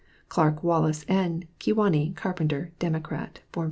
CLARK WALLACE N. Kewanee: carpenter; Dem; born Vt.